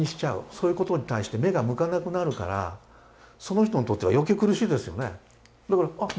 そういうことに対して目が向かなくなるからその人にとっては余計に苦しいですよね。